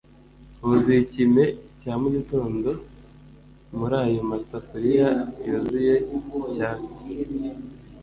Huzuye ikime cya mugitondo muri ayo masafuriya yuzuye icyatsi